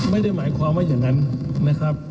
ไม่ได้หมายความว่าอย่างนั้นนะครับ